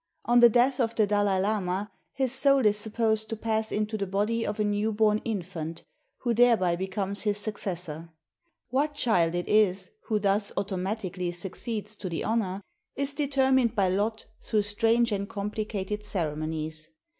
On the death of the Dalai Lama his soul is supposed to pass into the body of a new born infant, who thereby becomes his successor. What child it is, who thus automatically succeeds to the honor, is determined by lot through strange and com plicated ceremonies.